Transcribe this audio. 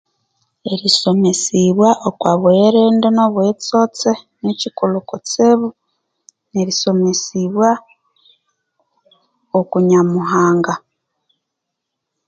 Erisomesibwa okwa buyirinde no obuyitsotse nikyikulhu kutsibu, nerisomesibwa oku Nyamuhanga.